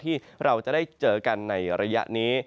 ที่เราจะได้เจอกันในระยะนี้